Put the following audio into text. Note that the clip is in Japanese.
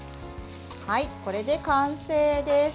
これで完成です。